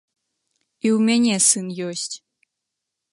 І ў мяне сын ёсць.